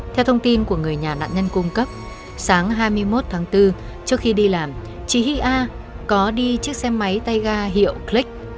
theo thông tin của người nhà nạn nhân cung cấp sáng hai mươi một tháng bốn trước khi đi làm chị hi a có đi chiếc xe máy tay ga hiệu click